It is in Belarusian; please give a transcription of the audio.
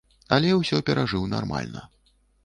Але ўсё перажыў нармальна.